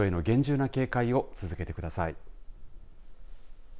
熱中症への厳重な警戒を続けてください。